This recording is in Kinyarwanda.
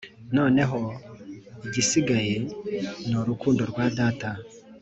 noneho igisigaye ni urukundo rwa data